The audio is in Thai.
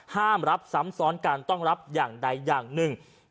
ห้ามรับซ้ำซ้อนการต้องรับอย่างใดอย่างหนึ่ง